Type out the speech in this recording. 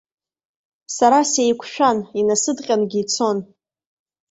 Сара сеиқәшәан, инасыдҟьангьы ицон.